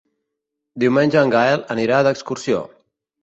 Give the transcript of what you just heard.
Diumenge en Gaël anirà d'excursió.